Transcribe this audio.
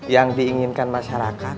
yang diinginkan masyarakat